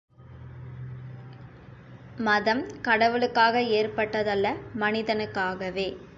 மதம் கடவுளுக்காக ஏற்பட்டதல்ல மனிதனுக்காகவே.